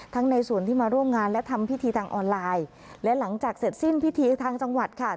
ในส่วนที่มาร่วมงานและทำพิธีทางออนไลน์และหลังจากเสร็จสิ้นพิธีทางจังหวัดค่ะ